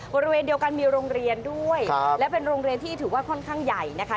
บริเวณเดียวกันมีโรงเรียนด้วยและเป็นโรงเรียนที่ถือว่าค่อนข้างใหญ่นะคะ